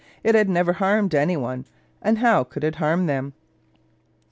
It had never harmed any one, and how could it harm them?